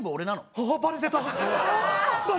あ、バレてた。